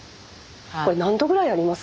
これ何度ぐらいありますか？